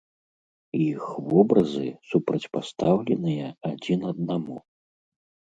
Іх вобразы супрацьпастаўленыя адзін аднаму.